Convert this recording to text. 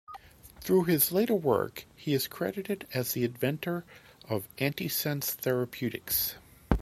Through his later work, he is credited as the inventor of antisense therapeutics.